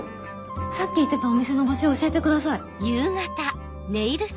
さっき言ってたお店の場所教えてください。